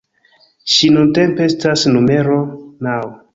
Ŝi nuntempe estas numero naŭ.